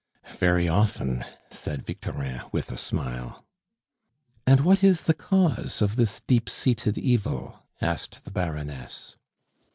"Very often," said Victorin, with a smile. "And what is the cause of this deep seated evil?" asked the Baroness.